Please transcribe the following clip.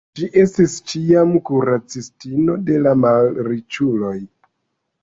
Ŝi estis ĉiam kuracistino de la malriĉuloj.